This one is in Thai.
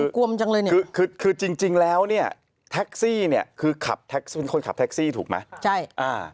คือจริงแล้วเนี่ยแท็กซี่เนี่ยคือเป็นคนขับแท็กซี่ถูกไหม